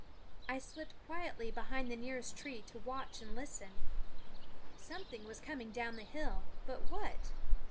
I slipped quietly behind the nearest tree to watch and listen. Something was coming down the hill ; but what?